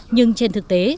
nhưng trên thực tế